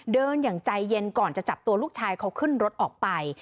อย่างใจเย็นก่อนจะจับตัวลูกชายเขาขึ้นรถออกไป